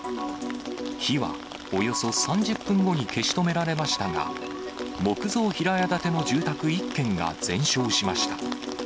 火はおよそ３０分後に消し止められましたが、木造平屋建ての住宅１軒が全焼しました。